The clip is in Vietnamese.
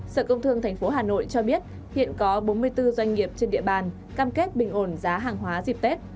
sở công thương tp hà nội cho biết hiện có bốn mươi bốn doanh nghiệp trên địa bàn cam kết bình ổn giá hàng hóa dịp tết